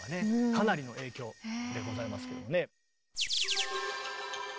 かなりの影響でございますよね。